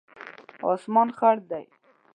اسمان خړ دی